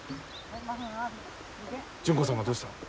純子さんがどうした？